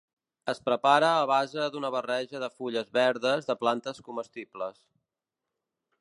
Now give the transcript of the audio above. Es prepara a base d'una barreja de fulles verdes de plantes comestibles.